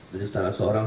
jadi salah seorang